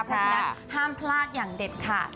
เพราะฉะนั้นห้ามพลาดอย่างเด็ดขาด